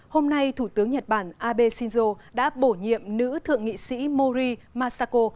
hôm nay thủ tướng nhật bản abe shinzo đã bổ nhiệm nữ thượng nghị sĩ mori masako